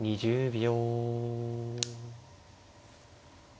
２０秒。